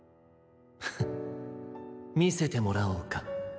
フッみせてもらおうか。